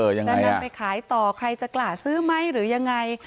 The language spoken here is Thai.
จะนำไปขายต่อใครจะกล้าซื้อไหมหรือยังไง